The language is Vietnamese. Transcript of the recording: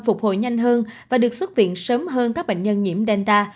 phục hồi nhanh hơn và được xuất viện sớm hơn các bệnh nhân nhiễm delta